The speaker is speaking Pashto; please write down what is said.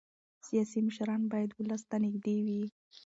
سیاسي مشران باید ولس ته نږدې وي